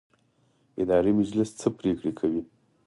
اداري مجلس څه پریکړې کوي؟